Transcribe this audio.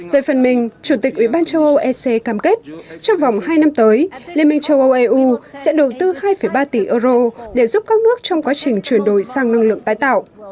về phần mình chủ tịch ủy ban châu âu ec cam kết trong vòng hai năm tới liên minh châu âu eu sẽ đầu tư hai ba tỷ euro để giúp các nước trong quá trình chuyển đổi sang năng lượng tái tạo